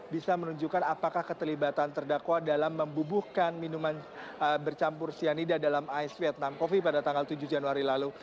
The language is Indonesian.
bisa menunjukkan apakah keterlibatan terdakwa dalam membubuhkan minuman bercampur cyanida dalam ais vietnam coffee pada tanggal tujuh januari lalu